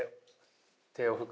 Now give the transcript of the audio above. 手を拭く。